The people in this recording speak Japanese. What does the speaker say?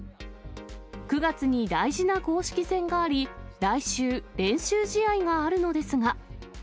９月に大事な公式戦があり、来週、練習試合があるのですが。